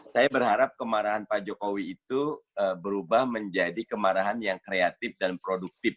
saya berharap kemarahan pak jokowi itu berubah menjadi kemarahan yang kreatif dan produktif